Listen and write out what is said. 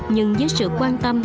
nhưng với sự quan tâm